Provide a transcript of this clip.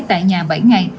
tại nhà bảy ngày